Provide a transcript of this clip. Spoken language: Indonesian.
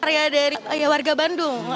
iya dari warga bandung